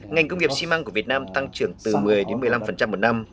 ngành công nghiệp simang của việt nam tăng trưởng từ một mươi đến một mươi năm một năm